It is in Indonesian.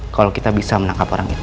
kalau kita bisa menangkap orang itu